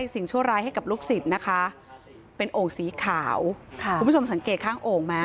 สิ่งชั่วร้ายให้กับลูกศิษย์นะคะเป็นโอ่งสีขาวค่ะคุณผู้ชมสังเกตข้างโอ่งไหม